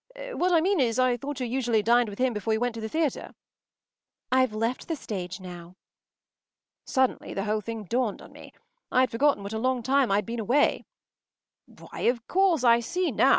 What I mean is—I thought you usually dined with him before you went to the theatre.” “I’ve left the stage now.” Suddenly the whole thing dawned on me. I had forgotten what a long time I had been away. “Why, of course, I see now!